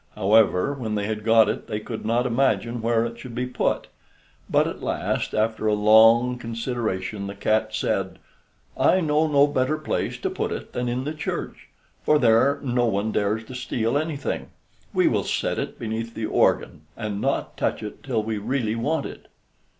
However, when they had got it, they could not imagine where it should be put; but at last, after a long consideration, the cat said: "I know no better place to put it than in the church, for there no one dares to steal anything; we will set it beneath the organ, and not touch it till we really want it."